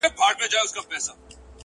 • نن که سباوي زموږ ځیني تله دي ,